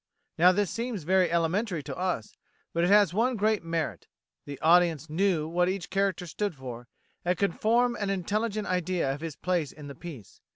Now this seems very elementary to us, but it has one great merit: the audience knew what each character stood for, and could form an intelligent idea of his place in the piece.